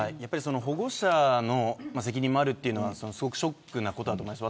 保護者の責任もあるというのはショックなことだと思います。